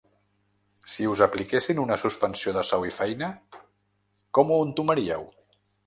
Si us apliquessin una suspensió de sou i feina, com ho entomaríeu?